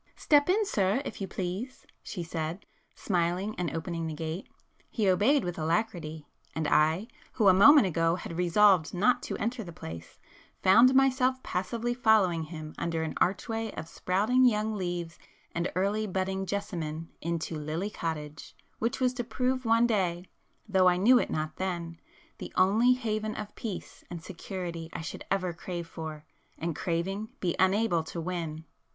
"Step in, sir, if you please,—" she said smiling and opening the gate. He obeyed with alacrity,—and I, who a moment ago had resolved not to enter the place, found myself passively following him under an archway of sprouting young leaves and early budding jessamine into 'Lily Cottage'—which was to prove one day, though I knew it not then, the only haven of peace and security I should ever crave for,—and, craving, be unable to win!